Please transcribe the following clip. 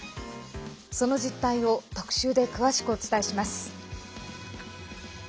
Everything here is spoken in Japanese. その実態を特集で詳しくお伝えします。